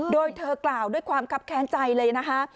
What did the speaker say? โดยเธอกล่าวด้วยความคับแค้นใจเลยนะคะ